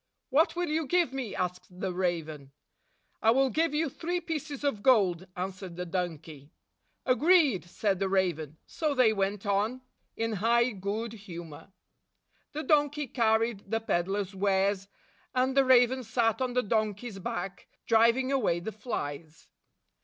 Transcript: "What will you give me?" asked the raven. "I will give you three pieces of gold," an swered the donkey. "Agreed," said the raven. So they went on 67 in high good humor. The donkey carried the peddler's wares, and the raven sat on the don key's back, driving away the flies.